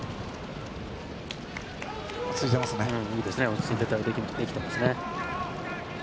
落ち着いていますね。